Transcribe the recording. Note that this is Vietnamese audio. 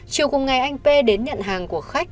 chiều cùng ngày anh p đến nhận hàng của khách